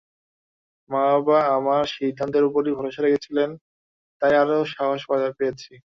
মা বাবা আমার সিদ্ধান্তের ওপরই ভরসা রেখেছিলেন, তাই আরও সাহস পেয়েছি।